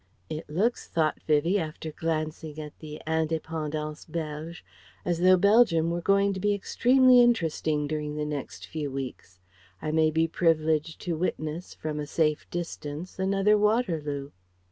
"It looks," thought Vivie, after glancing at the Indépendance Belge, "As though Belgium were going to be extremely interesting during the next few weeks; I may be privileged to witness from a safe distance another Waterloo."